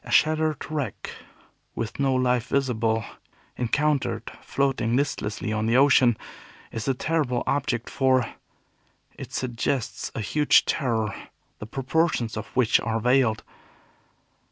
A shattered wreck, with no life visible, encountered floating listlessly on the ocean, is a terrible object, for it suggests a huge terror, the proportions of which are veiled.